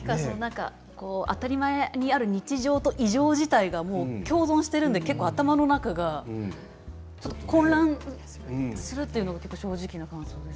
リアルな日常と異常事態が共存しているので結構、頭の中が混乱するというのが正直なところです。